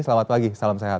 selamat pagi salam sehat